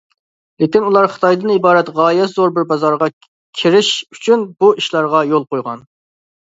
لېكىن ئۇلار خىتايدىن ئىبارەت غايەت زور بىر بازارغا كىرىش ئۈچۈن بۇ ئىشلارغا يول قويغان .